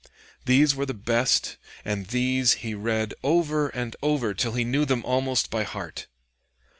These were the best, and these he read over and over till he knew them almost by heart.